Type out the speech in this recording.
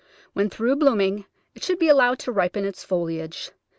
When through blooming it should be allowed to ripen its foliage.